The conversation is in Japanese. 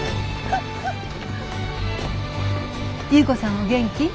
優子さんはお元気？